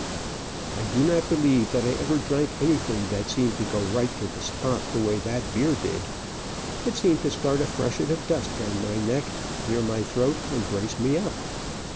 I do not believe that I ever drank anything that seemed to go right to the spot, the way that beer did. It seemed to start a freshet of dust down my neck, clear my throat, and brace me up.